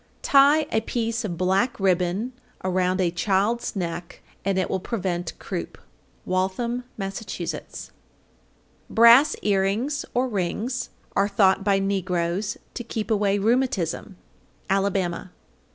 Tie a piece of black ribbon around a child's neck, and it will prevent croup. Waltham, Mass. 807. Brass earrings or rings are thought by negroes to keep away rheumatism. _Alabama.